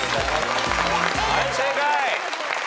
はい正解。